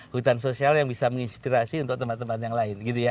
hutan sosial yang bisa menginspirasi untuk teman teman yang lain gitu ya